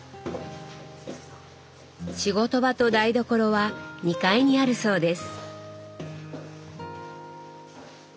仕事場と台所は２階にあるそうです。